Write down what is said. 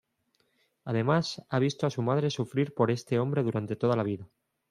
Además, ha visto a su madre sufrir por este hombre durante toda la vida.